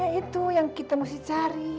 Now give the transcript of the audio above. ya itu yang kita mesti cari